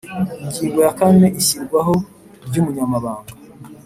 Ingingo ya kane Ishyirwaho ry’Umunyamabanga